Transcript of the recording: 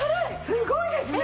すごいですね！